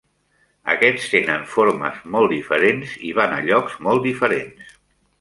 Aquests tenen formes molt diferents i van a llocs molt diferents.